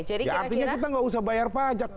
artinya kita nggak usah bayar pajak